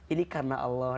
ini karena allah